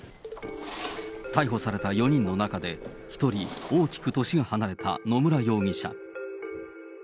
逮捕された４人の中で、１人、大きく年が離れた野村容疑者。